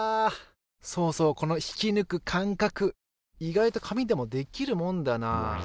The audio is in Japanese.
そうそうこの引きぬく感覚意外と紙でもできるもんだな。